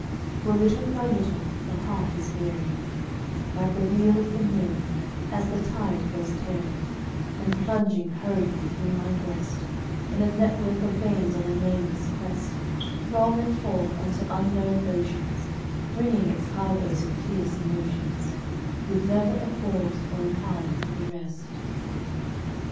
For little by little the heart is wearing, Like the wheel of the mill, as the tide goes tearing And plunging hurriedly through my breast, In a network of veins on a nameless quest, From and forth, unto unknown oceans, Bringing its cargoes of fierce emotions, With never a pause or an hour for rest.